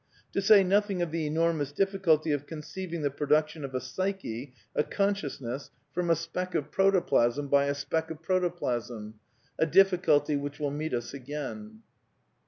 To say nothing of the enormous difiBculty of conceiving the production of a psyche, a consciousness, from a speck of PAN PSYCHISM OF SAMUEL BUTLER 27 protoplasm by a speck of protoplasnL A difficulty which will meet us again.